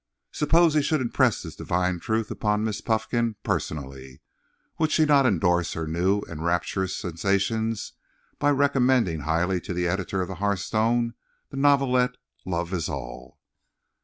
Suppose he should impress this divine truth upon Miss Puffkin personally!—would she not surely indorse her new and rapturous sensations by recommending highly to the editor of the Hearthstone the novelette "Love Is All"?